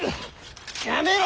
やめろ！